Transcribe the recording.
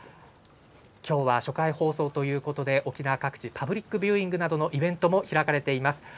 きょうは初回放送ということで、沖縄各地、パブリックビューイングなどのイベントも開かれています。